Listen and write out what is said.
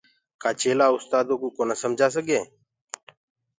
ڪآ چيلآ اُستآدو ڪو ڪونآ سمجآ سگي